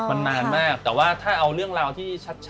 มันนานมากแต่ว่าถ้าเอาเรื่องราวที่ชัด